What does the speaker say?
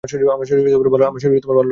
আমার শরীর ভালো লাগছে না।